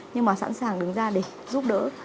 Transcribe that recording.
nhưng mà sẵn sàng đứng ra để giúp đỡ